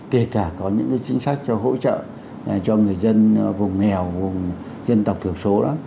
kể cả có những chính sách cho hỗ trợ cho người dân vùng nghèo vùng dân tộc thiểu số đó